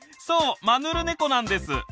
そうマヌルネコなんです！